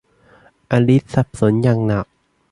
อลิซสับสนอย่างหนัก